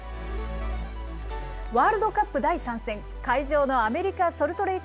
ワールドカップ第３戦、会場のアメリカ・ソルトレーク